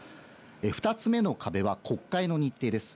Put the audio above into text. ２つ目の壁は国会の日程です。